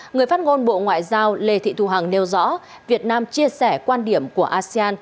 người phát ngôn bộ ngoại giao lê thị thu hằng nêu rõ việt nam chia sẻ quan điểm của asean